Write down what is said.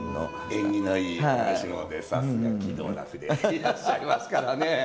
縁起のいいお召し物でさすが着道楽でいらっしゃいますからね。